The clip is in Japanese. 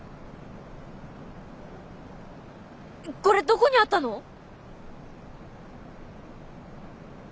これどこにあったの？